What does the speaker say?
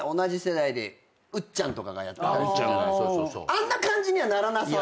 あんな感じにはならなさそう？